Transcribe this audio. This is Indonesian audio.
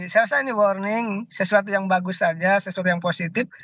saya rasa ini warning sesuatu yang bagus saja sesuatu yang positif